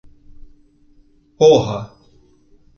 Porra!